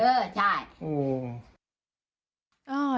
เออใช่